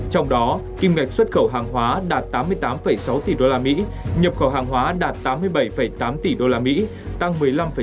trong đó kim ngạch xuất khẩu hàng hóa đạt tám mươi tám sáu tỷ usd nhập khẩu hàng hóa đạt tám mươi bảy tám tỷ usd tăng một mươi năm tám